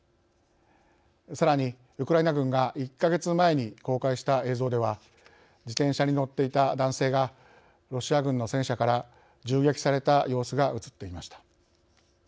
さらに、ウクライナ軍が１か月前に公開した映像では自転車に乗っていた男性がロシア軍の戦車から銃撃された様子が映っていました。